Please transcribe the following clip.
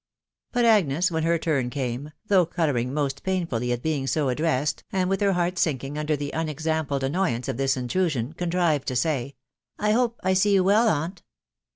But Agnes, when her turn came, though colouring most painfully at being so addressed, and with her heart sinking under the unexampled annoyance of this intrusion, contrived to say, " I hope I see you well, aunt."